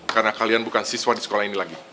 karena kalian bukan siswa di sekolah ini lagi